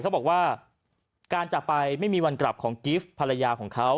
เขาบอกว่าการจากไปไม่มีวันกลับของกิฟต์ภรรยาของเขา